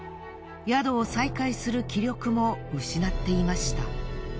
宿を再開する気力も失っていました。